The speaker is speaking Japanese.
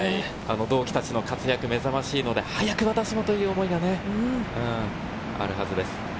同期たちの活躍が目覚ましいので、早く私もという気持ちがあるはずです。